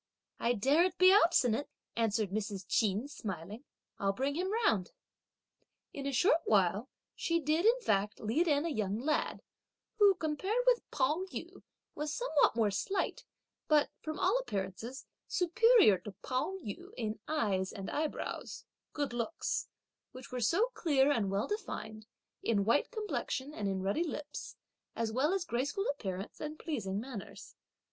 "I daren't be obstinate," answered Mrs. Ch'in smiling; "I'll bring him round!" In a short while she did in fact lead in a young lad, who, compared with Pao yü, was somewhat more slight but, from all appearances, superior to Pao yü in eyes and eyebrows, (good looks), which were so clear and well defined, in white complexion and in ruddy lips, as well as graceful appearance and pleasing manners.